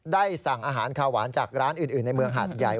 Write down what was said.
ได้สั่งอาหารขาวหวานจากร้านอื่นในเมืองหาดใหญ่